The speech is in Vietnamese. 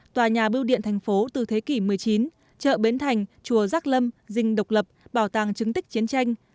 tòa nhà biêu điện thành phố từ thế kỷ một mươi chín chợ bến thành chùa giác lâm dình độc lập bảo tàng chứng tích chiến tranh